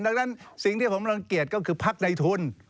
ดังนั้นสิ่งที่ผมรังเกียจก็คือพักในทุน